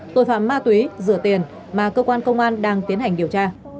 tội phạm ma túy rửa tiền mà cơ quan công an đang tiến hành điều tra